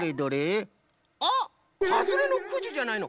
あっはずれのくじじゃないの。